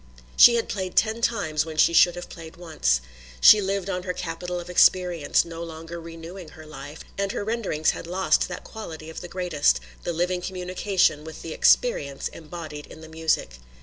She had played ten times when she should have played once. She lived on her capital of experience, no longer renewing her life, and her renderings had lost that quality of the greatest, the living communication with the experience embodied in the music.